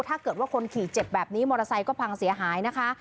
ถ้าเกิดว่าคนขี่เจ็บแบบนี้มอเตอร์ไซค์ก็พังเสียหายนะคะ